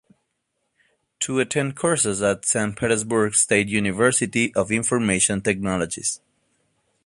To attend courses at the Saint Petersburg State University of Information Technologies.